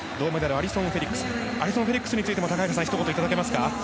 アリソン・フェリックスにひと言、いただけますか。